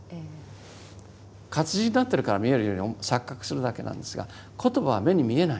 活字になってるから見えるように錯覚するだけなんですが言葉は目に見えない。